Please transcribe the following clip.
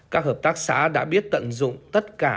các hợp tác xã đã biết tận dụng tất cả